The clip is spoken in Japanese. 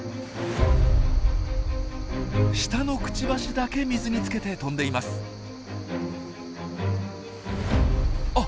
下のクチバシだけ水につけて飛んでいます。